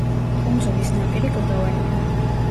კუნძულის ნაპირი კლდოვანია.